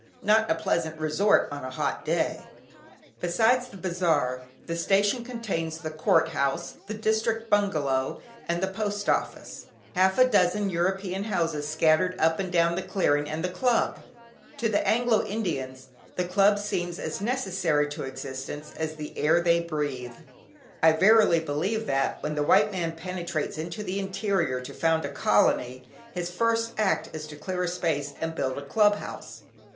Not a pleasant resort on a hot day. Besides the bazaar, the station contains the Court House, the District Bungalow, and the Post Office; half a dozen European houses scattered up and down the clearing, and the club. To the Anglo Indians the club seems as necessary to existence as the air they breathe. I verily believe that when the white man penetrates into the interior to found a colony, his first act is to clear a space and build a club house.